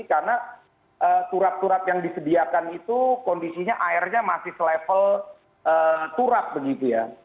karena turap turap yang disediakan itu kondisinya airnya masih selevel turap begitu ya